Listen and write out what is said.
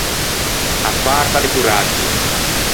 A farta de coraggio.